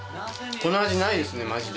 この味、ないですね、まじで。